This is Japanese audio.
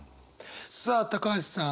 さあ橋さん